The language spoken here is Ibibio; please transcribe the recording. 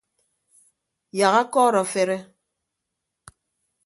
Yak akọọrọ afere.